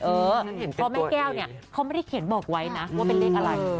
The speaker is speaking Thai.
เพราะแม่แก้วเนี่ยเขาไม่ได้เขียนบอกไว้นะว่าเป็นเลขอะไร